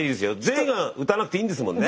全員が歌わなくていいんですもんね。